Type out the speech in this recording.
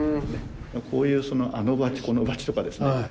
こういうその「アノバチコノバチ」とかですね